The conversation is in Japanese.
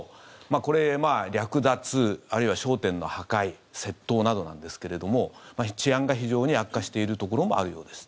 これ、略奪あるいは商店の破壊窃盗などなんですけれども治安が非常に悪化しているところもあるようです。